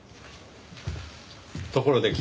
ところで君